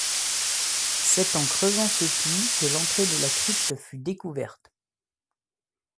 C'est en creusant ce puits que l'entrée de la crypte fut découverte.